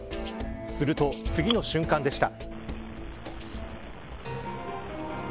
すると、次の瞬間でした。